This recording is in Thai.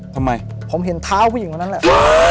ทำไมผมเห็นเท้าผู้หญิงคนนั้นแหละ